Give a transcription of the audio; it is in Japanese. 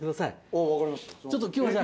ああわかりました。